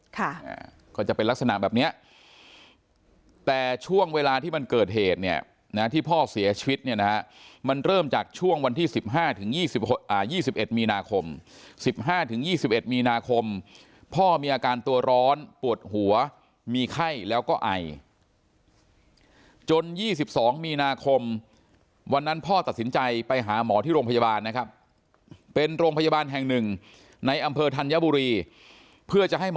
ค่ะก็จะเป็นลักษณะแบบเนี้ยแต่ช่วงเวลาที่มันเกิดเหตุเนี่ยนะที่พ่อเสียชีวิตเนี่ยนะฮะมันเริ่มจากช่วงวันที่สิบห้าถึงยี่สิบอ่ายี่สิบเอ็ดมีนาคมสิบห้าถึงยี่สิบเอ็ดมีนาคมพ่อมีอาการตัวร้อนปวดหัวมีไข้แล้วก็ไอจนยี่สิบสองมีนาคมวันนั้นพ่อตัดสินใจไปหาหมอที่โรงพยาบาลนะครับเป็นโรงพยาบาลแห่งหนึ่งในอำเภอธัญบุรีเพื่อจะให้ม